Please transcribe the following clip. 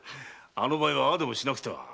あの場合はああでもしなくては。